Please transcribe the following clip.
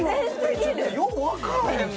ちょっとようわからへんね